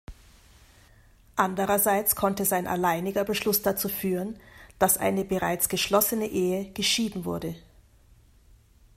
Andererseits konnte sein alleiniger Beschluss dazu führen, dass eine bereits geschlossene Ehe geschieden wurde.